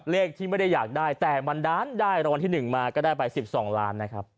เลขที่ไม่ได้อยากได้แต่มันดันได้รางวัลที่๑มาก็ได้ไป๑๒ล้านนะครับ